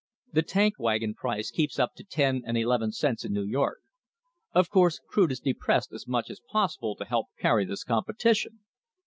The tank wagon price keeps up to ten and eleven cents in New York. Of course crude is depressed as much as possible to help carry this competition.